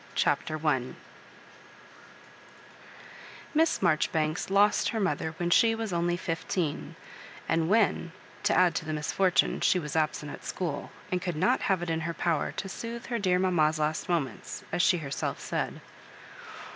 CHAPTER L Miss ATarjobibanes lost her mother when she was only fifteen, and when, to add to the mis fortune, she was absent at school, and could not have it in her power to soothe her dear mamma's last moments, as she herself said.